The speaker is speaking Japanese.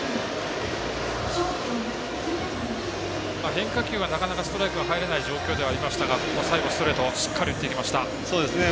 変化球は、なかなかストライクが入らない状況ではありましたが最後、ストレートしっかり打っていきました。